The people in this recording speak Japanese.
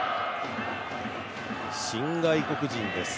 新外国人です